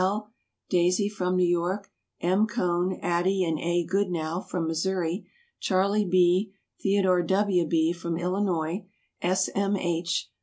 L., "Daisy." From New York M. Cohn, Addie and A. Goodnow. From Missouri Charlie B., Theodore W. B. From Illinois S. M. H.